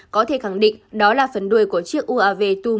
có thể khẳng định đó là phần đuôi của chiếc uav tu một trăm bốn mươi một